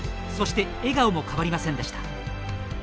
そして笑顔も変わりませんでした。